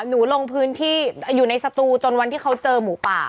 ลงพื้นที่อยู่ในสตูจนวันที่เขาเจอหมูป่า